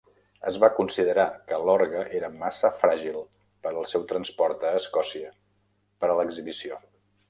Es va considerar que l'orgue era massa fràgil per al seu transport a Escòcia per a l'exhibició.